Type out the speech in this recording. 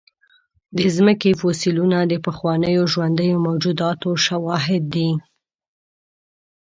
د مځکې فوسیلونه د پخوانیو ژوندیو موجوداتو شواهد دي.